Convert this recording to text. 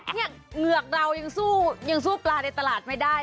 เหงือกเรายังสู้ปลาในตลาดไม่ได้